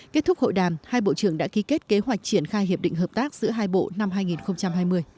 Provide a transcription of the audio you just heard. kết thúc hội đàm hai bộ trưởng đã ký kết kế hoạch triển khai hiệp định hợp tác giữa hai bộ năm hai nghìn hai mươi